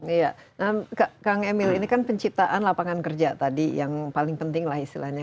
iya nah kang emil ini kan penciptaan lapangan kerja tadi yang paling penting lah istilahnya